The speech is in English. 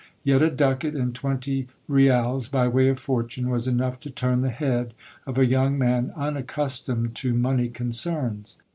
Yet a ducat and twenty rials, by way of fortune, was enough to turn the head of a young man unaccustomed to money concerns.